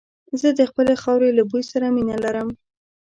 زه د خپلې خاورې له بوی سره مينه لرم.